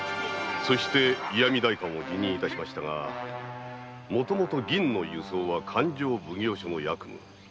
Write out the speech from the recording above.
そして石見代官を辞任しましたがもともと銀の輸送は勘定奉行所の役務。